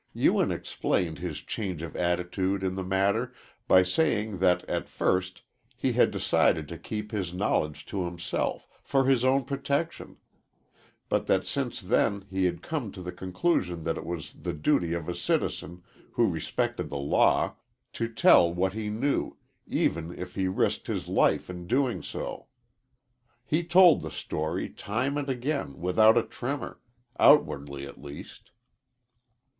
Ewen explained his change of attitude in the matter by saying that, at first, he had decided to keep his knowledge to himself, for his own protection, but that since then he had come to the conclusion that it was the duty of a citizen, who respected the law, to tell what he knew, even if he risked his life in doing so. He told the story, time and again, without a tremor, outwardly at least.